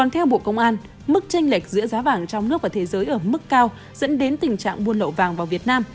theo bộ công an mức tranh lệch giữa giá vàng trong nước và thế giới ở mức cao dẫn đến tình trạng buôn lậu vàng vào việt nam